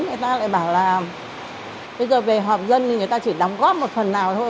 người ta lại bảo là bây giờ về họp dân thì người ta chỉ đóng góp một phần nào thôi